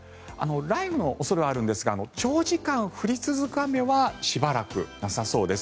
雷雨の恐れはあるんですが長時間降り続く雨はしばらくなさそうです。